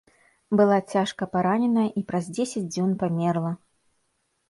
Была цяжка параненая і праз дзесяць дзён памерла.